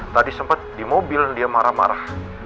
tadi sempat di mobil dia marah marah